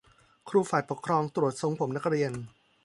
ครูฝ่ายปกครองตรวจทรงผมนักเรียน